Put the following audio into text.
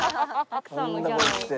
たくさんのギャラを。